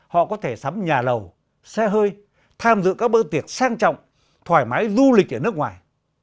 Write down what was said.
họ có thể sắm nhà lầu xe hơi tham dự các bữa tiệc sang trọng thoải mái du lịch ở nước ngoài